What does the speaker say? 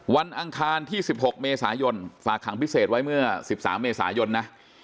อังคารที่๑๖เมษายนฝากขังพิเศษไว้เมื่อ๑๓เมษายนนะ